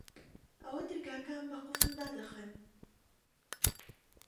ئەوا دەرگاکان بە قوفڵ دادەخەن